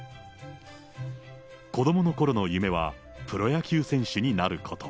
子どものころの夢は、プロ野球選手になること。